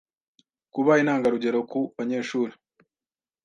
kuba intangarugero ku banyeshuri